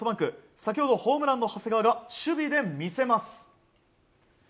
先ほどホームランの長谷川が守備で魅せます。